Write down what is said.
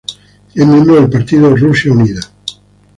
Es miembro del partido Rusia Unida.